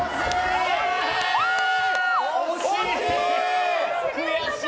惜しい！